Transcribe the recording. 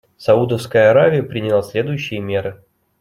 Саудовская Аравия приняла следующие меры.